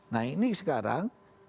nah ini sekarang